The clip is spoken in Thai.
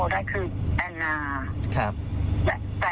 ที่สามารถจะเข้าเครื่องโนโลได้คืออันนา